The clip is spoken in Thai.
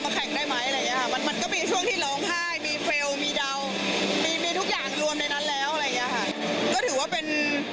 ก็ถือว่าเป็น